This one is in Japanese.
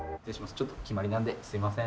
ちょっと決まりなんですみません。